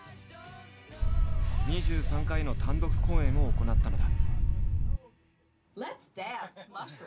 ２３回の単独公演を行ったのだ。